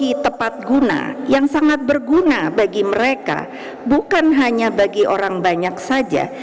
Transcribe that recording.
ini tepat guna yang sangat berguna bagi mereka bukan hanya bagi orang banyak saja